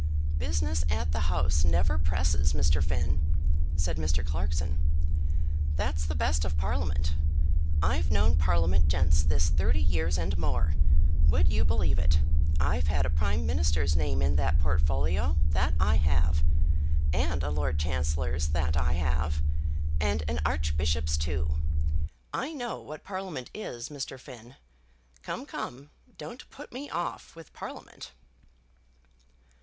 "Business at the House never presses, Mr. Finn," said Mr. Clarkson. "That's the best of Parliament. I've known Parliament gents this thirty years and more. Would you believe it I've had a Prime Minister's name in that portfolio; that I have; and a Lord Chancellor's; that I have; and an Archbishop's too. I know what Parliament is, Mr. Finn. Come, come; don't put me off with Parliament."